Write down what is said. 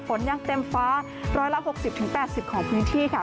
ฝนยังเต็มฟ้า๑๖๐๘๐ของพื้นที่ค่ะ